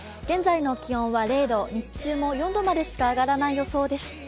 現在の気温は０度、日中も４度までしか上がらない予想です。